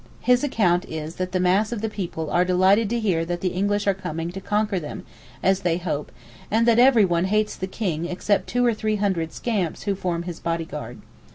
His account is that the mass of the people are delighted to hear that the English are coming to conquer them, as they hope, and that everyone hates the King except two or three hundred scamps who form his bodyguard.